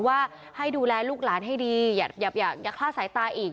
ว่าให้ดูแลลูกหลานให้ดีอย่าคลาดสายตาอีก